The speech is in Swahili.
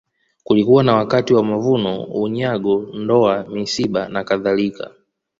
Kulikuwa na wakati wa mavuno unyago ndoa misiba na kadhalika